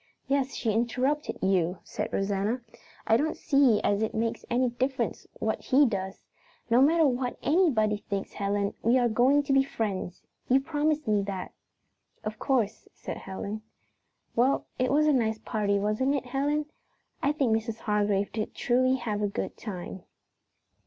"Yes, she interrupted you," said Rosanna. "I don't see as it makes any difference what he does. No matter what _any_body thinks, Helen, we are going to be friends? You promised me that." "Of course," said Helen. "Well, it was a nice party, wasn't it, Helen? I think Mrs. Hargrave did truly have a good time."